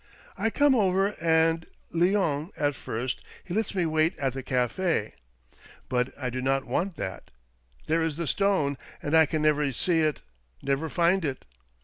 I come over, and Leon, at first he lets me wait at the cafe. But I do not want that — there is the stone, and I can never see it, never find it.